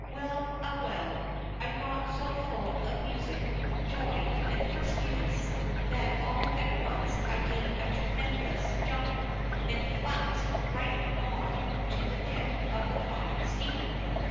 Well a well, I got so full of music, joy, and friskiness, that all at once I gave a tremendous jump, and flounced right on to the deck of the fine steamer.